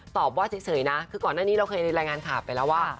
ตอบว่าเฉยนะคือก่อนหน้านี้เราเคยรายงานข่าวไปแล้วว่า